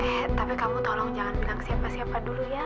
eh tapi kamu tolong jangan bilang siapa siapa dulu ya